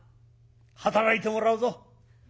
働いてもらうぞ。